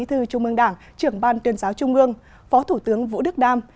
thư trung ương đảng trưởng ban tuyên giáo trung ương phó thủ tướng vũ đức đam